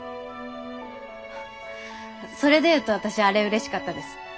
あっそれで言うと私あれ嬉しかったです。